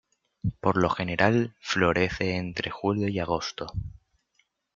Por lo general, florece entre julio y agosto.